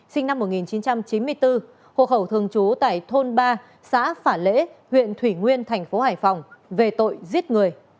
sinh năm một nghìn chín trăm chín mươi bốn hộ khẩu thường trú tại thôn ba xã phả lễ huyện thủy nguyên thành phố hải phòng về tội giết người